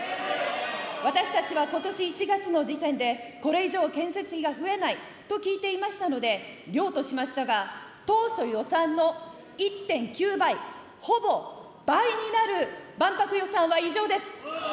私たちはことし１月の時点で、これ以上、建設費が増えないと聞いていましたので、了としましたが、当初予算の１．９倍、ほぼ倍になる万博予算は異常です。